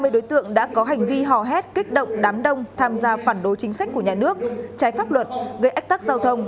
ba mươi đối tượng đã có hành vi hò hét kích động đám đông tham gia phản đối chính sách của nhà nước trái pháp luật gây ách tắc giao thông